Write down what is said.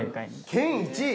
県１位！